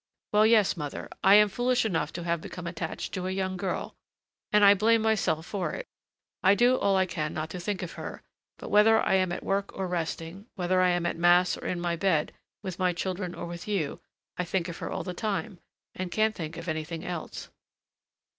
"Well, yes, mother, I am foolish enough to have become attached to a young girl, and I blame myself for it. I do all I can not to think of her; but whether I am at work or resting, whether I am at Mass or in my bed, with my children or with you, I think of her all the time, and can't think of anything else."